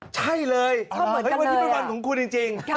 ใช่เลยวันนี้เป็นวันของคุณจริง